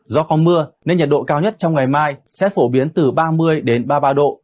do không mưa nên nhiệt độ cao nhất trong ngày mai sẽ phổ biến từ ba mươi ba mươi ba độ